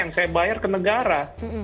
yang saya bayar ke negara